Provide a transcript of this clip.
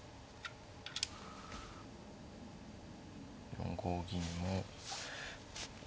４五銀も。